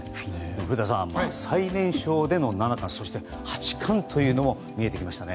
古田さん、最年少での七冠そして八冠も見えてきましたね。